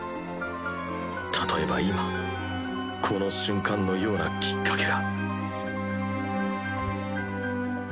例えば今この瞬間のようなきっかけが